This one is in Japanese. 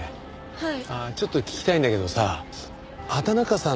はい。